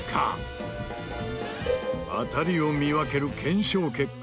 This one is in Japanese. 当たりを見分ける検証結果。